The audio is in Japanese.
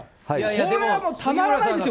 これはもうたまらないですよ。